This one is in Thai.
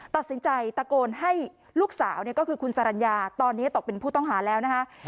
ตัดสินใจตะโกนให้ลูกสาวเนี่ยก็คือคุณสรรญาตอนนี้ตกเป็นผู้ต้องหาแล้วนะคะ